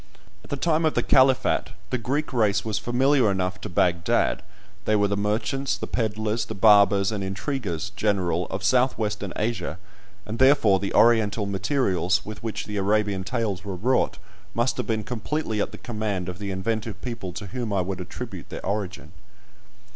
At the time of the Caliphat the Greek race was familiar enough to Baghdad: they were the merchants, the pedlars, the barbers, and intriguers general of south western Asia, and therefore the Oriental materials with which the Arabian tales were wrought must have been completely at the command of the inventive people to whom I would attribute their origin.